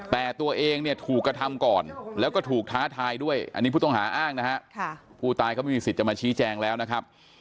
แต่ตัวเองเนี่ยถูกกระทำก่อนแล้วก็ถูกท้าทายด้วยอันนี้ผู้ต้องหาอ้างนะฮะผู้ตายเขาไม่มีสิทธิ์จะมาชี้แจงแล้วนะครับ